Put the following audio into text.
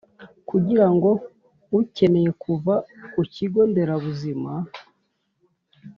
kugira ngo ukeneye kuva ku kigo nderabuzima